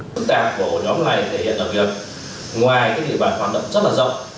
thức tạp của nhóm này thể hiện là việc ngoài các địa bàn hoạt động rất là rộng